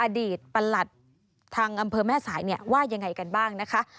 ประหลัดทางอำเภอแม่สายเนี่ยว่ายังไงกันบ้างนะคะ